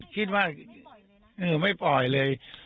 แค่จะขอไม่ปล่อยเลย